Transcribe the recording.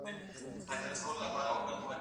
ټولنیز نظم د هر نظام اساسي شرط دی.